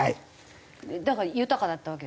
だから豊かだったわけですね。